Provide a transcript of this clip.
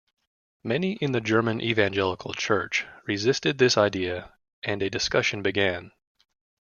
Many in the German Evangelical Church resisted this idea and a discussion began.